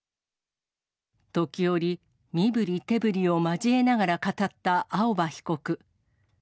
時折、身振り手振りを交えながら語った青葉被告。